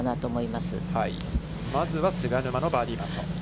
まずは菅沼のバーディーパット。